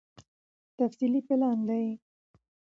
تفصيلي پلان دی